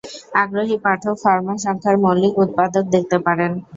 আগ্রহী পাঠক ফার্মা সংখ্যার মৌলিক উৎপাদক দেখতে পারেন।